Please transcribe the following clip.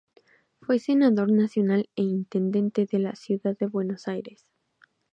Fue Senador Nacional e Intendente de la Ciudad de Buenos Aires.